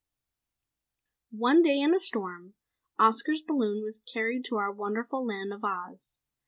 "One day in a storm, Oscar's balloon was carried to our wonderful Land of Oz.